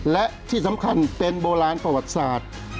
และที่สำคัญเป็นโบราณประวัติศาสตร์